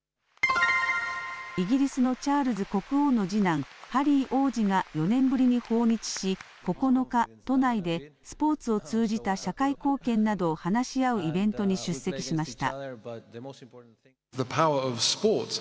イギリスのチャールズ国王の次男ハリー王子が４年ぶりに訪日し９日、都内でスポーツを通じた社会貢献などを話し合うイベントに出席しました。